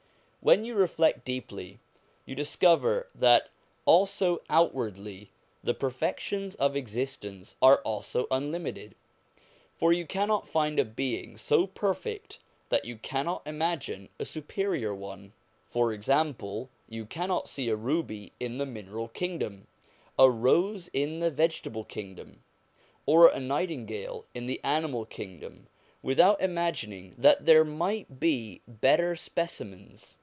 When you reflect deeply, you discover that also outwardly the perfections of existence are also unlimited, for you cannot find a being so perfect that you cannot imagine a superior one. For example, you cannot see a ruby in the mineral kingdom, a rose in the vegetable kingdom, or a nightingale in the animal kingdom, without imagining that there might be better specimens.